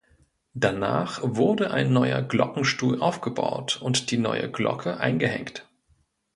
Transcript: Danach wurde ein neuer Glockenstuhl aufgebaut und die neue Glocke eingehängt.